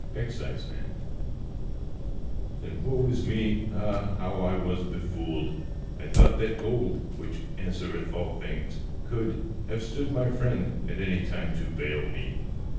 EXCISEMAN. Then woe is me! ah! how was I befooled! I thought that gold (which answereth all things) could Have stood my friend at any time to bail me!